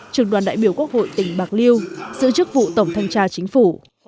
trường đoàn đại biểu quốc hội tỉnh bạc liêu sự chức vụ tổng thân tra chính phủ